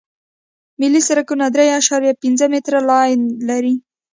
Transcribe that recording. ملي سرکونه درې اعشاریه پنځه متره لاین لري